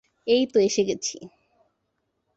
এইতো এসে গেছি।